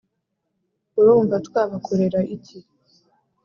urumva twabakorera iki?